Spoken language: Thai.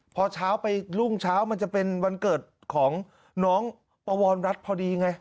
พอเช้าไปรุ่งเช้ามันจะเป็นวันเกิดของน้องปวรรัฐพอดีไง